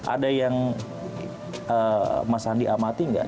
ada yang mas andi amati nggak